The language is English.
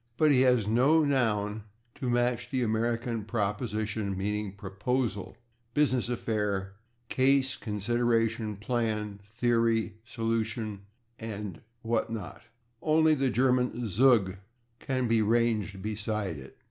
But he has no noun to match the American /proposition/, meaning proposal, business, affair, case, consideration, plan, theory, solution and what not: only the German /zug/ can be ranged beside it.